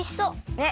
ねっ。